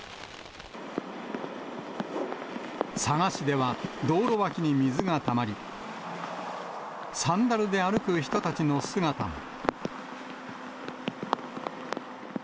佐賀市では道路脇に水がたまり、サンダルで歩く人たちの姿も。